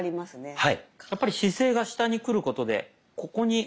はい。